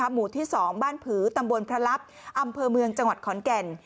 หมู่ที่๒บ้านผือตำบลพระลับอำเภอเมืองจังหวัดขอนแก่น